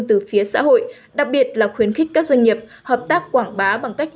từ phía xã hội đặc biệt là khuyến khích các doanh nghiệp hợp tác quảng bá bằng cách